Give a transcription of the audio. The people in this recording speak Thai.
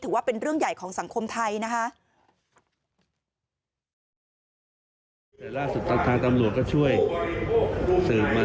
ถือว่าเป็นเรื่องใหญ่ของสังคมไทยนะคะ